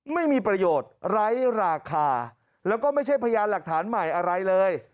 ไม่มีประโยชน์ไร้ราคาแล้วก็ไม่ใช่พยานหลักฐานใหม่อะไรเลย